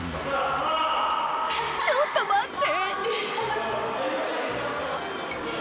ちょっと待って。